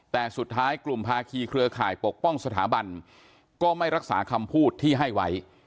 แต่สุดท้ายกลุ่มภาคีเครือข่ายปกป้องสถาบันก็ไม่รักษาคำพูดที่ให้ไว้